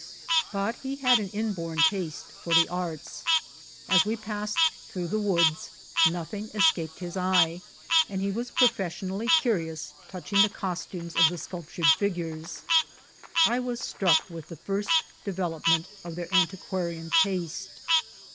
But he had an inborn taste for the arts. As we passed through the woods, nothing escaped his eye, and he was profes* sionally curious touching the costumes of the sculptured figures. I was struck with the first development of their antiquarian taste.